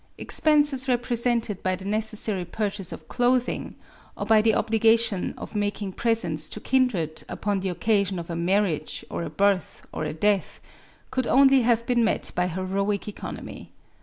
Expenses represented by the necessary purchase of clothing, or by the obligation Digitized by Googk A WOMAN'S DIARY 123 of making presents to kindred upon the occasion of a marriage or a birth or a death, could only have been met by heroic economy.